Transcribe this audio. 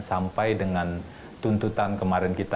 sampai dengan tuntutan kemarin kita